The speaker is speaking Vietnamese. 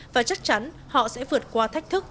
và chắc chắn họ sẽ vượt qua thách thức